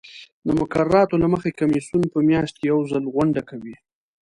د مقرراتو له مخې کمیسیون په میاشت کې یو ځل غونډه کوي.